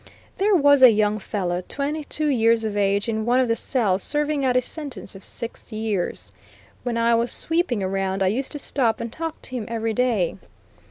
There was a young fellow, twenty two years of age, in one of the cells, serving out a sentence of six years. When I was sweeping around I used to stop and talk to him every day.